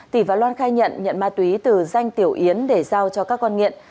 tỷ và loan khai nhận nhận ma túy từ danh tiểu yến để giao cho các con nghiện